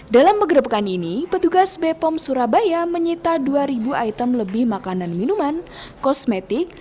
dalam penggerebekan ini petugas bepom surabaya menyita dua ribu item lebih makanan minuman kosmetik